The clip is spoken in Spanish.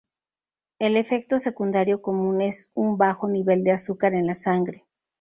El efecto secundario común es un bajo nivel de azúcar en la sangre.